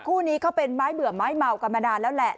คู่นี้เขาเป็นไม้เบื่อไม้เมากันมานานแล้วแหละ